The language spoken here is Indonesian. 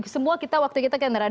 semua kita waktu kita kendaraan